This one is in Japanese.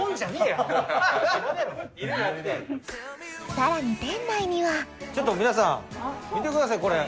さらに店内にはちょっと皆さん見てくださいこれ。何？